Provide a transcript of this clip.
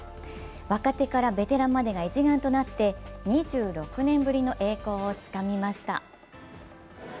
若手からベテランまでが一丸となって２６年ぶりの栄光をつかみました。